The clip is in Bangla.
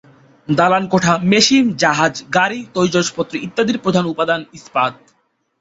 দালান-কোঠা, মেশিন, জাহাজ, গাড়ী, তৈজসপত্র ইত্যাদির প্রধান উপাদান ইস্পাত।